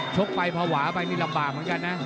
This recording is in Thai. ชกไปเพราะหวานี่ลำบากเหมือนกันนะ